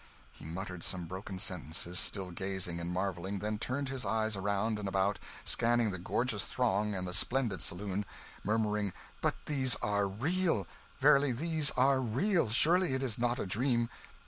He muttered some broken sentences, still gazing and marvelling; then turned his eyes around and about, scanning the gorgeous throng and the splendid saloon, murmuring, "But these are real verily these are real surely it is not a dream."